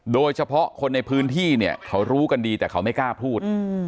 โดยเฉพาะคนในพื้นที่เนี่ยเขารู้กันดีแต่เขาไม่กล้าพูด